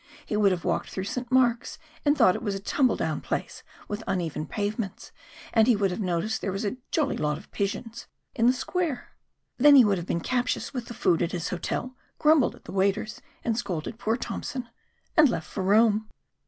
He would have walked through St. Mark's, and thought it was a tumble down place, with uneven pavements, and he would have noticed there were a 'jolly lot of pigeons' in the square! Then he would have been captious with the food at his hotel, grumbled at the waiters, scolded poor Tompson and left for Rome!"